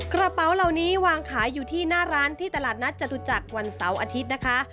กระเป๋าเหล่านี้วางขายอยู่ที่หน้าร้านที่ตลาดนัดจตุจักรวันเสาร์อาทิตย์นะคะ